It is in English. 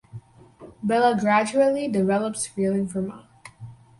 Bella gradually develops feelings for Ma.